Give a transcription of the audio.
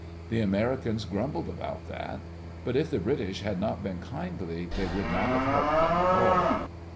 The Americans grumbled about that. But if the British had not been kindly they would not have helped them at all.